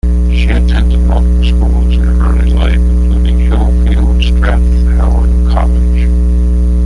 She attended multiple schools in her early life including Hillfield-Strathallan College.